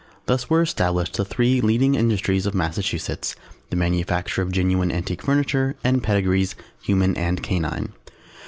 Thus were established the three leading industries of Massachusetts, the manufacture of genuine antique furniture and Pedigrees (Human and canine).